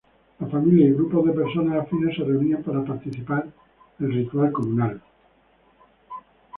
Las familias y grupos de persona afines se reunían para participar el ritual comunal.